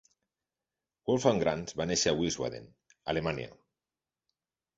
Wolfgang Grams va néixer a Wiesbaden, Alemanya.